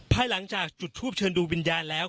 ภายหลังจากจุดทูปเชิญดูวิญญาณแล้ว